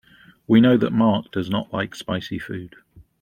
We know that Mark does not like spicy food.